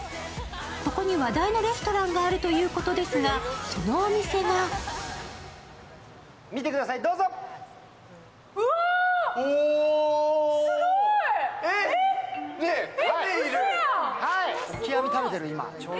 ここに話題のレストランがあるということですがそのお店がオキアミを食べてる、今。